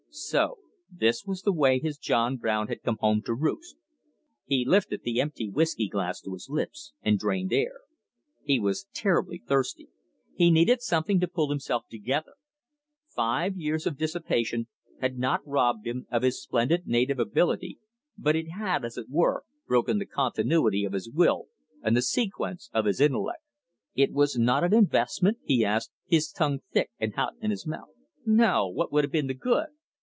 So this was the way his John Brown had come home to roost. He lifted the empty whiskey glass to his lips and drained air. He was terribly thirsty; he needed something to pull himself together. Five years of dissipation had not robbed him of his splendid native ability, but it had, as it were, broken the continuity of his will and the sequence of his intellect. "It was not investment?" he asked, his tongue thick and hot in his mouth. "No. What would have been the good?"